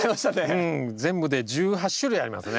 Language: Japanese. うん全部で１８種類ありますね。